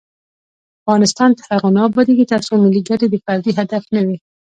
افغانستان تر هغو نه ابادیږي، ترڅو ملي ګټې د فردي هدف نه وي.